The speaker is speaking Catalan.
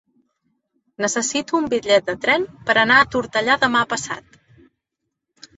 Necessito un bitllet de tren per anar a Tortellà demà passat.